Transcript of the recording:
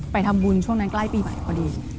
ไปทำบุญช่วงนั้นใกล้ปีใหม่พอดี